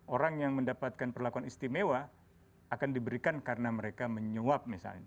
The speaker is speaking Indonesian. orang yang mendapatkan perlakuan istimewa akan diberikan karena mereka menyuap misalnya